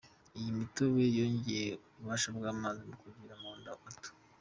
Iyi mitobe yongera ububasha bw’amazi mu kugira munda hato,.